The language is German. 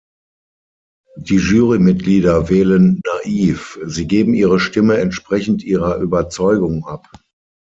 Die Jury-Mitglieder wählen „naiv“, sie geben ihre Stimme entsprechend ihrer Überzeugung ab.